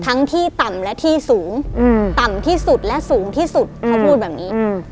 ที่ต่ำและที่สูงต่ำที่สุดและสูงที่สุดเขาพูดแบบนี้